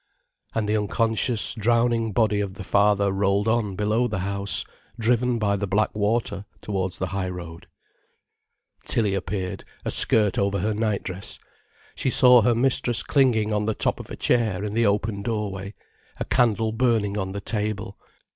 And the unconscious, drowning body of the father rolled on below the house, driven by the black water towards the high road. Tilly appeared, a skirt over her nightdress. She saw her mistress clinging on the top of a chair in the open doorway, a candle burning on the table.